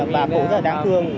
vì bà cụ rất là đáng thương